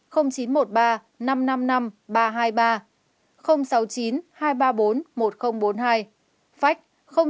phách sáu mươi chín hai trăm ba mươi bốn một nghìn bốn mươi bốn